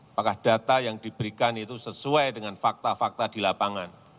apakah data yang diberikan itu sesuai dengan fakta fakta di lapangan